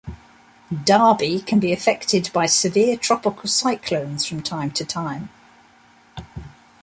Derby can be affected by severe tropical cyclones from time to time.